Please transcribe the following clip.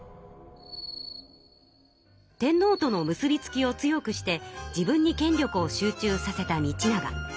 天皇との結び付きを強くして自分に権力を集中させた道長。